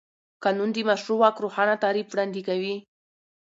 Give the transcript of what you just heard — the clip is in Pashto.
قانون د مشروع واک روښانه تعریف وړاندې کوي.